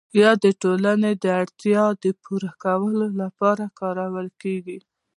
یا د ټولنې د اړتیاوو د پوره کولو لپاره کارول کیږي؟